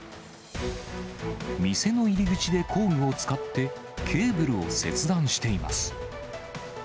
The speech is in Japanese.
店の入り口で工具を使ってケーブルを切断しています。